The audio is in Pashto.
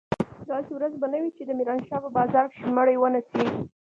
داسې ورځ به نه وي چې د ميرانشاه په بازار کښې مړي ونه سي.